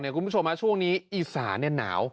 คุณผู้ชมช่วงนี้อีสานหนาว